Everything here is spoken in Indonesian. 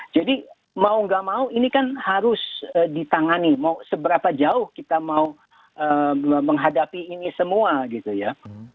jadi mau gak mau ini kan harus ditangani mau seberapa jauh kita mau menghadapi ini semua gitu ya